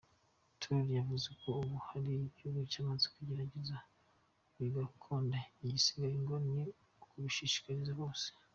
Touré yavuze ko ubu hari ibihugu byamaze kubigerageza bigakunda, igisigaye ngo ni ukubishishikariza bose.